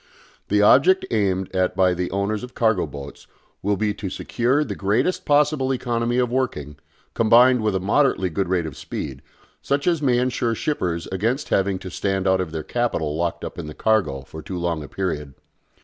The object aimed at by the owners of cargo boats will be to secure the greatest possible economy of working, combined with a moderately good rate of speed, such as may ensure shippers against having to stand out of their capital locked up in the cargo for too long a period.